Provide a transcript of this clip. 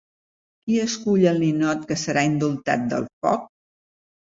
Qui escull el ninot que serà indultat del foc?